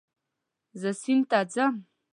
زه سیند ته ځم